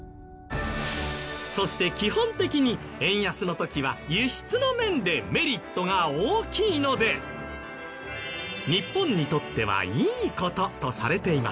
そして基本的に円安の時は輸出の面でメリットが大きいので日本にとってはいい事とされています。